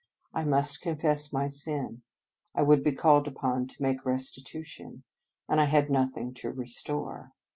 I must confess my sin, I would be called upon to make restitution, and I had nothing to restore.